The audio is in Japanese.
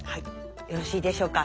よろしいでしょうか？